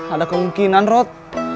ada kemungkinan rod